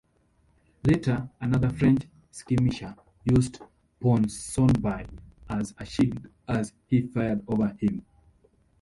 Later, another French skirmisher used Ponsonby as a shield as he fired over him.